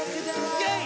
イェイ！